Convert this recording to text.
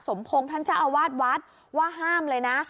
สมพงศ์ท่านเจ้าอาวาสวัดว่าห้ามเลยนะ